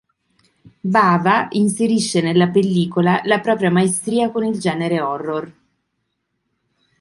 Bava inserisce nella pellicola la propria maestria con il genere horror.